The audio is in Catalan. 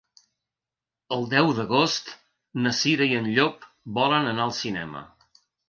El deu d'agost na Cira i en Llop volen anar al cinema.